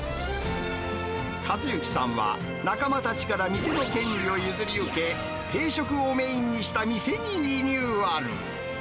和幸さんは、仲間たちから店の権利を譲り受け、定食をメインにした店にリニューアル。